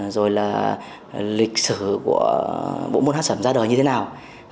rồi là lịch sử của bộ môn hát sẩm ra đời như thế nào